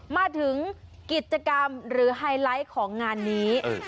มาถึงกิจกรรมหรือไฮไลท์ของงานนี้